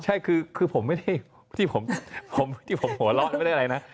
ใช่คือผมไม่ได้ที่ผมหัวร้อนไม่ได้อะไรนะ